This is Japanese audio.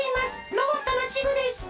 ロボットのチグです！